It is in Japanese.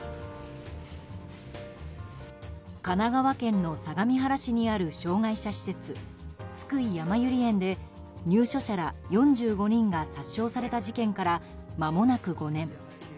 神奈川県の相模原市にある障害者施設津久井やまゆり園で入所者ら４５人が殺傷された事件から、まもなく５年。